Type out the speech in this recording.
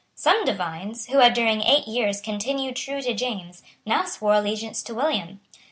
Some divines, who had during eight years continued true to James, now swore allegiance to William.